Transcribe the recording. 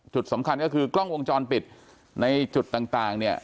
จุดสำคัญก็คือกล้องวงจรปิดในจุดต่างเนี่ย